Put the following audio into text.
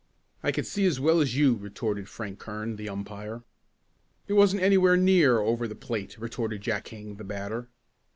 "I can see as well as you!" retorted Frank Kern, the umpire. "It wasn't anywhere near over the plate," retorted Jack King, the batter.